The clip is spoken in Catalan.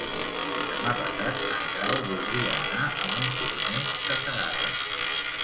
Demà passat en Grau voldria anar a Montornès de Segarra.